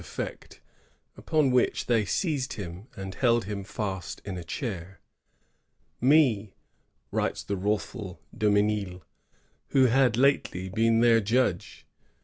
199 effect; upon which they seized him and held him fast in a chair, —:^^ me," writes the wrathful Dumesnil, ^who had lately been their judge."